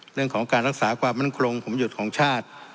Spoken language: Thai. เรื่องของการรักษาความมั่นคงผมหยุดของชาติ